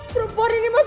perempuan ini mas